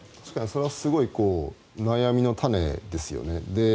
それはすごい悩みの種ですよね。